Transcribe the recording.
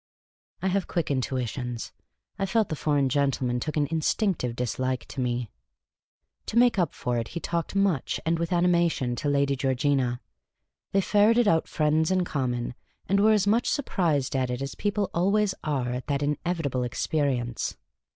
I have quick intuitions. I felt the foreign gentleman took an instinctive dislike to me. To make up for it, lit; talked nuich, and with animation, to Lady Georgina. They ferreted out friends in common, and were as much surprised at it as people always are at that inevitable experience.